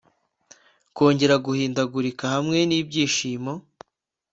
kongera guhindagurika hamwe n'ibyishimo